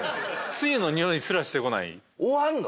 つゆの匂いすらしてこない終わんの？